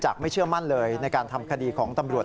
ไม่เชื่อมั่นเลยในการทำคดีของตำรวจ